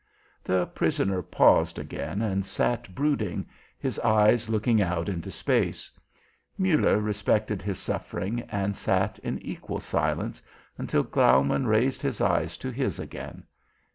The prisoner paused again and sat brooding, his eyes looking out into space. Muller respected his suffering and sat in equal silence, until Graumann raised his eyes to his again.